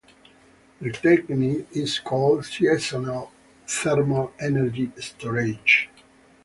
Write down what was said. The technique is called seasonal thermal energy storage.